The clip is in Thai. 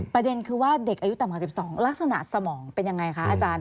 ประเด็นคือว่าเด็กอายุต่ำกว่า๑๒ลักษณะสมองเป็นยังไงคะอาจารย์